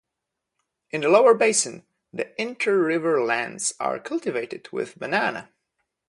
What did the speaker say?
In the lower basin, the inter-river lands are cultivated with banana.